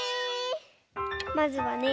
まずはね。